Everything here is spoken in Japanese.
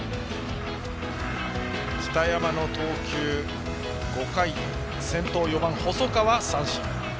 北山の投球５回先頭の４番、細川を三振。